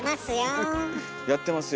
やってますよ